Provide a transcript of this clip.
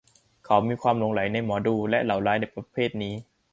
เขามีความหลงใหลในหมอดูและเหล่าร้ายในประเภทนั้น